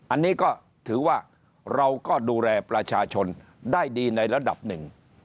อันนี้ก็ถือว่าเราก็ดูแลประชาชนได้ดีในระดับหนึ่ง